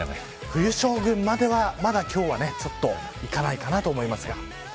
冬将軍までは、まだ今日はいかないかなと思います。